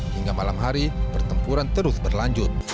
hingga malam hari pertempuran terus berlanjut